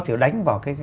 thì đánh vào cái